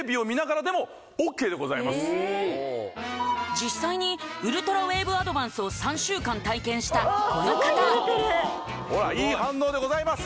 実際にウルトラウェーブアドバンスを３週間体験したこの方はほらいい反応でございます